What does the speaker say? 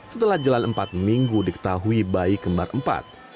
setelah jalan empat minggu diketahui bayi kembar empat